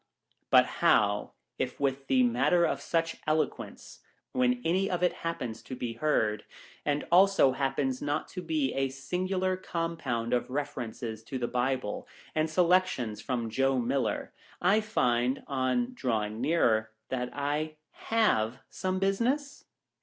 But how, if with the matter of such elo quence, when any of it happens to be heard, and also happens not to be a singular compound of references to the Bible, and selections from Joe Miller, I find, on drawing nearer, that I have some business